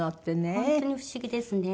本当に不思議ですね。